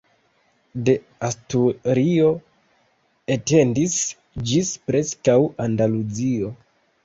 De Asturio etendis ĝis preskaŭ Andaluzio.